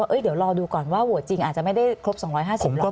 เดี๋ยวรอดูก่อนว่าโหวตจริงอาจจะไม่ได้ครบ๒๕๐หรอก